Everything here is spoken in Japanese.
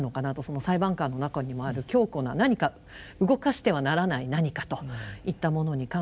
裁判官の中にもある強固な何か動かしてはならない何かといったものに関してですね